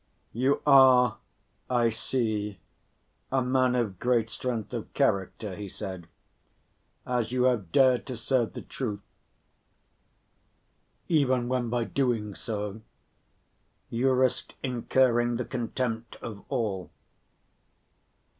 "You are, I see, a man of great strength of character," he said; "as you have dared to serve the truth, even when by doing so you risked incurring the contempt of all."